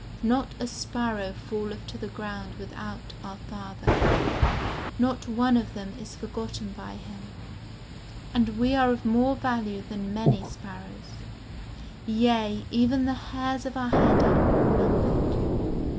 Not a sparrow falleth to the ground without our Father. Not one of them is forgotten by him; and we are of more value than many sparrows; yea, even the hairs of our head are all numbered.